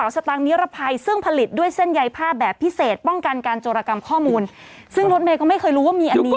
สตางคนิรภัยซึ่งผลิตด้วยเส้นใยผ้าแบบพิเศษป้องกันการโจรกรรมข้อมูลซึ่งรถเมย์ก็ไม่เคยรู้ว่ามีอันนี้